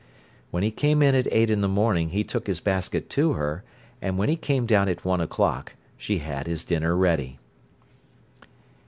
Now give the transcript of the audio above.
When he came in at eight in the morning he took his basket to her, and when he came down at one o'clock she had his dinner ready.